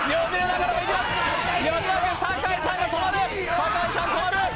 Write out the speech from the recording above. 酒井さん止まる！